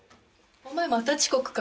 お前また遅刻か？